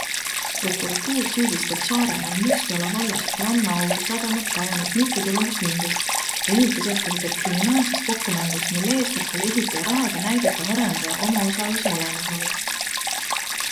Prokuratuur süüdistab Saaremaal Mustjala vallas Rannaaugu sadamat rajanud mittetulundusühingut ja ehitusettevõtet kriminaalses kokkumängus, mille eesmärk oli ehitaja rahaga näidata arendaja omaosaluse olemasolu.